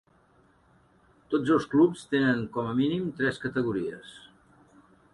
Tots els clubs tenen com a mínim tres categories.